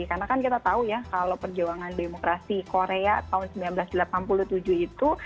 karena kan kita tahu ya kalau perjuangan demokrasi korea tahun seribu sembilan ratus delapan puluh tujuh itu